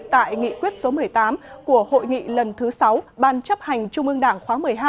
tại nghị quyết số một mươi tám của hội nghị lần thứ sáu ban chấp hành trung ương đảng khóa một mươi hai